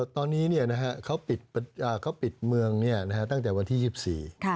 ตอนนี้เขาปิดเมืองตั้งแต่วันที่๒๔